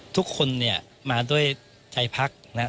ทุกคนเนี่ยมาด้วยใจพักนะครับ